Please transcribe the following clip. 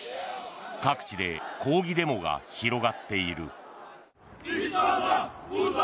各地で抗議デモが広がっている。